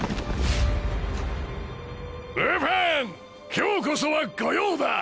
今日こそは御用だ！